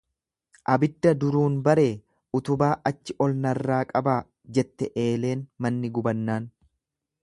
Abidda duruun baree utubaa achi ol narraa qabaa jette eeleen manni gubannaan.